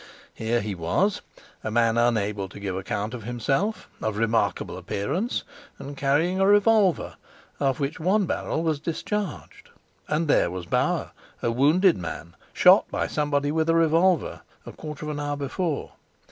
Here he was, a man unable to give account of himself, of remarkable appearance, and carrying a revolver, of which one barrel was discharged. And there was Bauer, a wounded man, shot by somebody with a revolver, a quarter of an hour before.